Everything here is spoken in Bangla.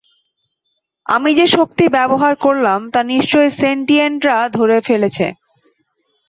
আমি যে শক্তি ব্যবহার করলাম, তা নিশ্চয়ই সেন্টিয়েন্টরা ধরে ফেলেছে।